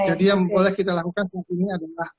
jadi yang boleh kita lakukan mungkin adalah